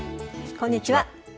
こんにちは。